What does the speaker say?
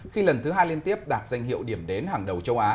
khi lần thứ hai liên tiếp đạt danh hiệu điểm đến hàng đầu châu á